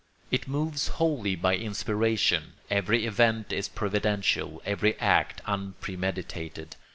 It moves wholly by inspiration; every event is providential, every act unpremeditated.